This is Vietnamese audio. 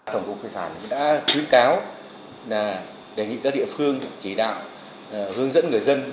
tổng cục thủy sản đã khuyến cáo đề nghị các địa phương chỉ đạo hướng dẫn người dân